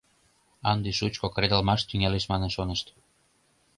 Ынде шучко кредалмаш тӱҥалеш манын шонышт.